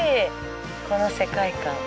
この世界観。